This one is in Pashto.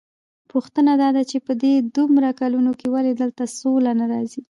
پوښتنه داده چې په دې دومره کلونو کې ولې دلته سوله نه راځي؟